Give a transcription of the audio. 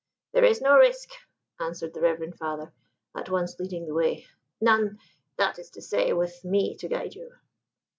"There is no risk," answered the reverend father, at once leading the way: "none, that is to say, with me to guide you."